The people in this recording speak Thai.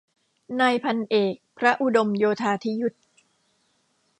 นายพันเอก พระอุดมโยธาธิยุต